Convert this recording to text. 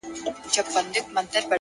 پوهه د تیارو افکارو پر وړاندې ډال ده؛